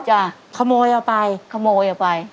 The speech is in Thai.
ขโมยเอาไปขโมยเอาไป